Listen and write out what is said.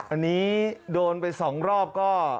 อันนี้โดนไป๒รอบก็